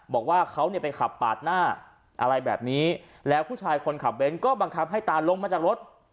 บอกว่าเขาเนี่ยไปขับปาดหน้าอะไรแบบนี้แล้วผู้ชายคนขับเบ้นก็บังคับให้ตาลงมาจากรถ